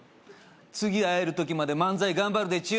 「次会える時まで漫才頑張るでちゅ」